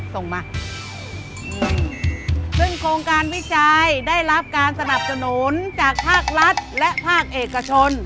ส่งมาซึ่งโครงการวิจัยได้รับการสนับสนุนจากภาครัฐและภาคเอกชน